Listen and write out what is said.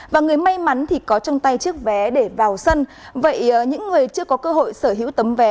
và người may mắn thì có trong tay chiếc vé để vào sân vậy những người chưa có cơ hội sở hữu tấm vé